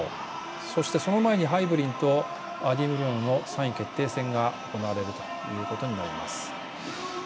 そして、その前にハイブリンとアディムリョノの３位決定戦が行われるということになります。